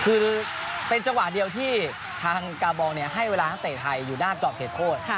คือเป็นจังหวะเดียวที่ทางกาบองให้เวลานักเตะไทยอยู่ด้านกรอบเขตโทษ